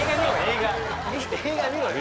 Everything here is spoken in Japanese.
映画見ろよ。